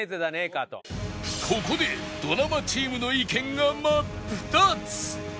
ここでドラマチームの意見が真っ二つ